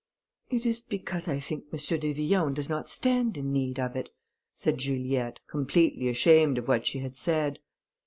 "It is because I think M. de Villon does not stand in need of it," said Juliette, completely ashamed of what she had said.